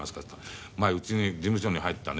前うちの事務所に入ったね